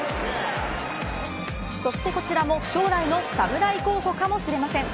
そしてこちらも将来の侍候補かもしれません。